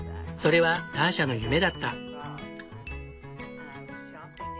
それはターシャの夢だった。